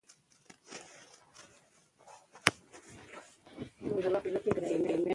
دښتې د افغان ماشومانو د لوبو موضوع ده.